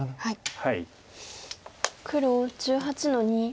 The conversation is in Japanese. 黒１８の二。